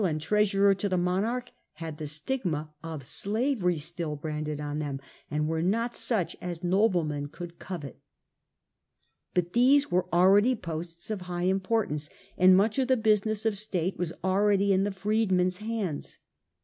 85 treasurer to the monarch had the stigma of slavery still branded on them, and were not such as noblemen could covet. But these were already posts of high importance, and much of the business of state was already in the freedmen^s hands.